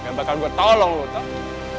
gak bakal gua tolong lu tau